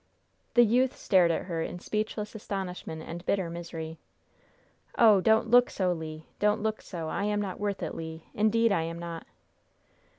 The youth stared at her in speechless astonishment and bitter misery. "Oh! don't look so, Le! don't look so! I am not worth it, Le! Indeed I am not!"